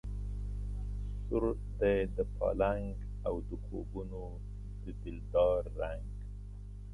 سور دی د پالنګ او د خوبونو د دلدار رنګ